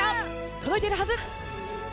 届いているはず！